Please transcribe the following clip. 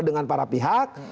dengan para pihak